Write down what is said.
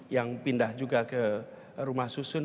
yang pindah juga ke rumah susun